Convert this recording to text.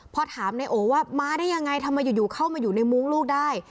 พอถามนายโอว่ามาได้ยังไงทำไมอยู่เข้ามาอยู่ในมุ้งลูกได้